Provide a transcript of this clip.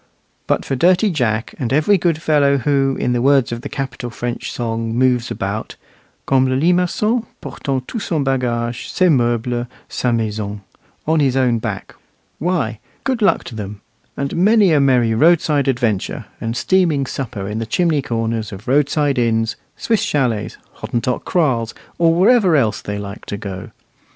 But for dirty Jack, and every good fellow who, in the words of the capital French song, moves about, "Comme le limacon, Portant tout son bagage, Ses meubles, sa maison," on his own back, why, good luck to them, and many a merry roadside adventure, and steaming supper in the chimney corners of roadside inns, Swiss chalets, Hottentot kraals, or wherever else they like to go.